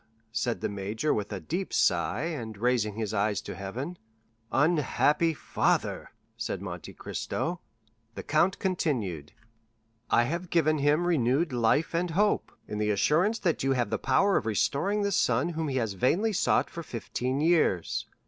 said the major with a deep sigh, and raising his eye to heaven. "Unhappy father," said Monte Cristo. The count continued: "'I have given him renewed life and hope, in the assurance that you have the power of restoring the son whom he has vainly sought for fifteen years.